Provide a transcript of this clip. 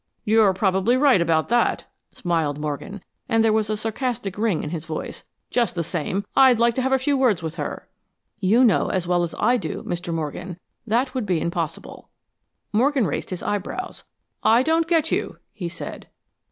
"You're probably right about that," smiled Morgan, and there was a sarcastic ring in his voice. "Just the same, I'd like to have a few words with her." "You know as well as I do, Mr. Morgan, that that would be impossible." Morgan raised his eyebrows. "I don't get you," he said.